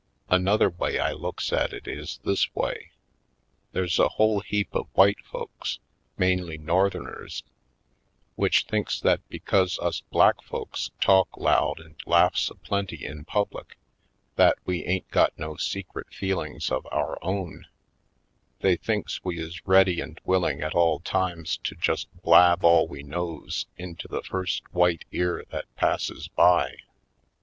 Another way I looks at it is this way: There's a whole heap of white folks, mainly Northerners, which thinks that because us black folks talks loud and laughs a plenty in public that we ain't got no secret feel ings of our own ; they thinks we is ready and willing at all times to just blab all we knows into the first v/hite ear that passes by.